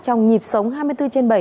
trong nhịp sống hai mươi bốn trên bảy